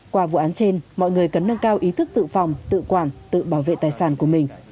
qua vụ án trên mọi người cần nâng cao ý thức tự phòng tự quản tự bảo vệ tài sản của mình